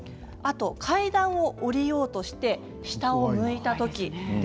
階段を下りようとして下を向いた時。